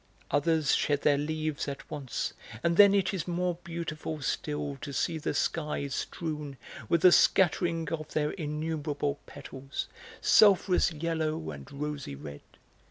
Others shed their leaves at once, and then it is more beautiful still to see the sky strewn with the scattering of their innumerable petals, sulphurous yellow and rosy red.